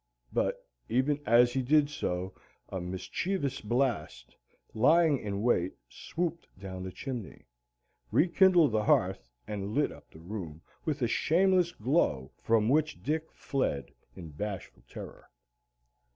But even as he did so a mischievous blast, lying in wait, swooped down the chimney, rekindled the hearth, and lit up the room with a shameless glow from which Dick fled in bashful terror.